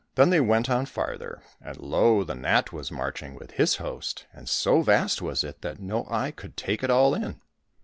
Then they went on farther, and lo ! the gnat was marching with his host, and so vast was it that no eye could take it all in.